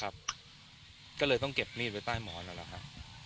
พ่อแท้ให้ให้เพื่อนมานอนกับน้อง